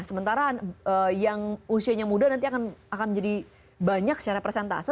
sementara yang usianya muda nanti akan menjadi banyak secara persentase